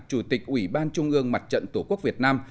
chủ tịch ủy ban trung ương mặt trận tổ quốc việt nam